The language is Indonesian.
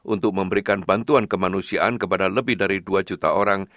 untuk memberikan bantuan kemanusiaan kepada lebih dari dua juta orang